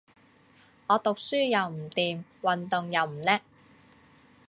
我讀書又唔掂，運動又唔叻